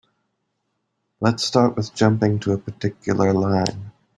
Let's start with jumping to a particular line.